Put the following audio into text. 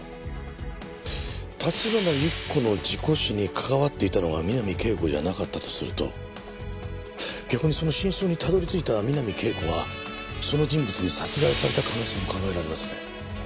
立花由紀子の事故死に関わっていたのが三波圭子じゃなかったとすると逆にその真相にたどり着いた三波圭子がその人物に殺害された可能性も考えられますね。